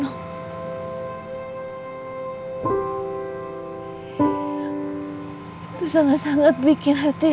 aku bener bener mau mempertahankan